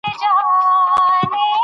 دوی به د دښمن مقابله کړې وي.